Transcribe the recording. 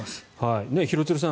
廣津留さん